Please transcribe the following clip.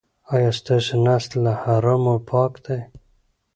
ایا ستاسو نس له حرامو پاک دی؟